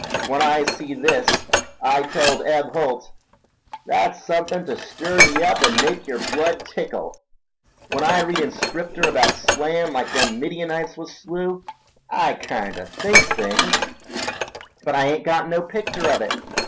When I see this I telled Eb Holt, 'That's suthin' ta stir ye up an' make yer blood tickle!' When I read in Scripter about slayin'—like them Midianites was slew—I kinder think things, but I ain't got no picter of it.